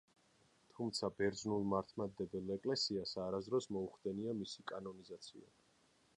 თუმცა ბერძნულ მართლმადიდებელ ეკლესიას არასოდეს მოუხდენია მისი კანონიზაცია.